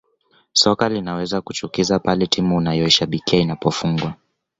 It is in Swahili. Soka linaweza kuchukiza pale timu unayoishabikia inapofungwa